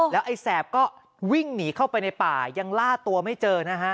แล้วไอ้แสบก็วิ่งหนีเข้าไปในป่ายังล่าตัวไม่เจอนะฮะ